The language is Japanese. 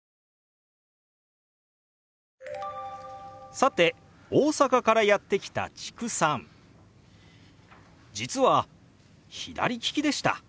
さて大阪からやって来た知久さん実は左利きでした。